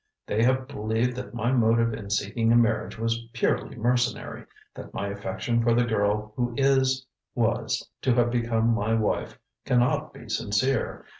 They have believed that my motive in seeking a marriage was purely mercenary that my affection for the girl who is was to have become my wife can not be sincere.